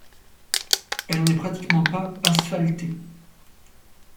Elle n'est pratiquement pas asphaltée.